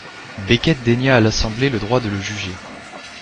Becket dénia à l'assemblée le droit de le juger.